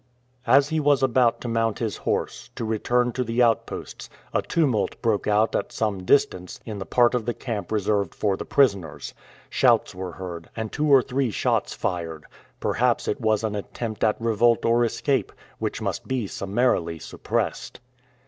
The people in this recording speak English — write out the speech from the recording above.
As he was about to mount his horse, to return to the outposts, a tumult broke out at some distance, in the part of the camp reserved for the prisoners. Shouts were heard, and two or three shots fired. Perhaps it was an attempt at revolt or escape, which must be summarily suppressed.